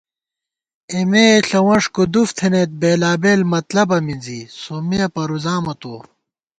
اېمے ݪَوَنݭ کُدُف تھنَئیت ، بېلابېل مطلبہ مِنزی، سومّیہ پرُوزامہ تو